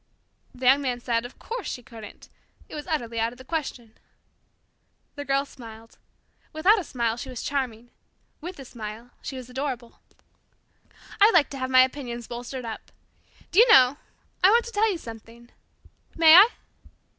The Young Man said, of course, she couldn't. It was utterly out of the question. The Girl smiled. Without a smile, she was charming. With a smile, she was adorable. "I like to have my opinions bolstered up. Do you know, I want to tell you something? May I?"